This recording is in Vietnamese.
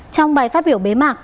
trong bài phát biểu bế mạc